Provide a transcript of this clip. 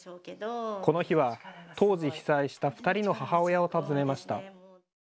この日は当時、被災した２人の母親を訪ねました。